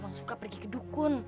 yang suka pergi ke dukun